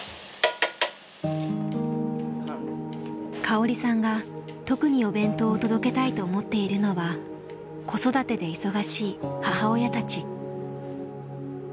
香織さんが特にお弁当を届けたいと思っているのは子育てで忙しい母親たち。